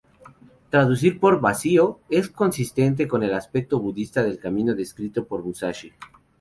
Traducir por "vacío" es consistente con el aspecto budista del camino descrito por Musashi.